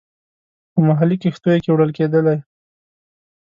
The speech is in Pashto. په محلي کښتیو کې وړل کېدلې.